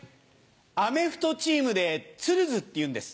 アメフトチームでツルズっていうんです。